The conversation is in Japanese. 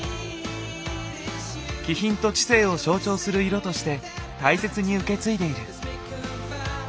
気品と知性を象徴する色として大切に受け継いでいる。